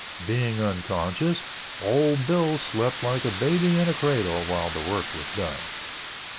Being unconscious, old Bill slept like a baby in a cradle while the work was done.